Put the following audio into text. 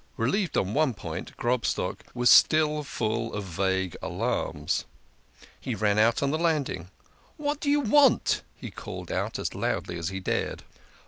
Relieved on one point, Grobstock was still full of vague alarms. He ran out on the landing. " What do you want ?" he called down as loudly as he dared.